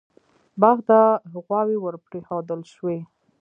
باغ ته غواوې ور پرېښودل شوې.